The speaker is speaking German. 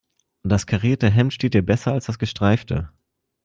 Das karierte Hemd steht dir besser als das gestreifte.